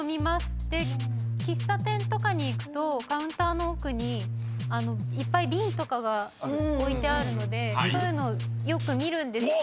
喫茶店とかに行くとカウンターの奥にいっぱい瓶とかが置いてあるのでそういうの。